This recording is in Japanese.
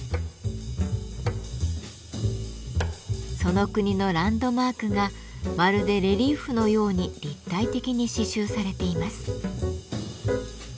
その国のランドマークがまるでレリーフのように立体的に刺繍されています。